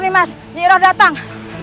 nyira sudah datang